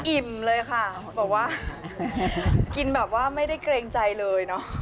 อิ่มเลยค่ะแบบว่ากินแบบว่าไม่ได้เกรงใจเลยเนอะ